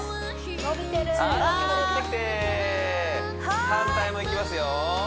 伸びてるはい戻ってきて反対もいきますよ